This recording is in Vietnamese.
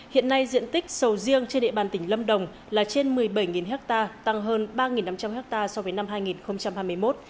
hiện nay diện tích sầu riêng trên địa bàn tỉnh lâm đồng là trên một mươi bảy ha tăng hơn ba năm trăm linh hectare so với năm hai nghìn hai mươi một